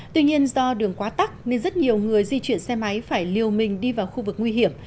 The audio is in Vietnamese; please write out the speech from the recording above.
tuy nhiên do đường quá tắc nên rất nhiều người di chuyển xe máy phải liều mình đi vào khu vực nguy hiểm